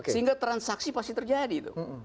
sehingga transaksi pasti terjadi